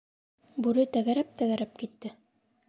Бүре тәгәрәп, тәгәрәп китте.